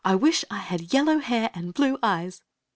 1 wish I had yellow hair and blue eyes."